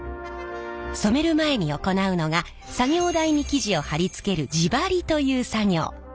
染める前に行うのが作業台に生地を貼り付ける地貼りという作業。